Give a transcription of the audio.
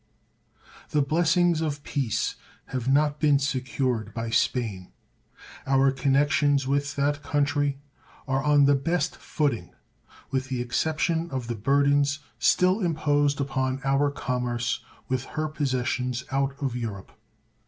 The blessings of peace have not been secured by Spain. Our connections with that country are on the best footing, with the exception of the burdens still imposed upon our commerce with her possessions out of Europe.